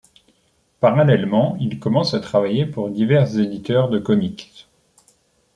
Parallèlement, il commence à travailler pour divers éditeurs de comics.